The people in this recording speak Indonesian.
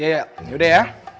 ya ya ini udah ya